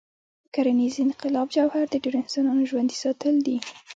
د کرنيز انقلاب جوهر د ډېرو انسانانو ژوندي ساتل دي.